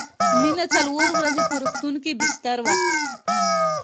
مينه څلور ورځې په روغتون کې بستر وه